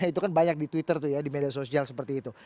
itu kan banyak di twitter tuh ya di media sosial seperti itu